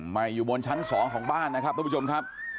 ไม่อยู่บนชั้นสองของบ้านนะครับท่านผู้ชมครับ